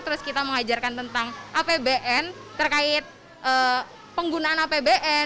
terus kita mengajarkan tentang apbn terkait penggunaan apbn